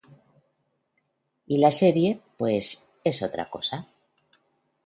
Y la serie, pues es otra cosa.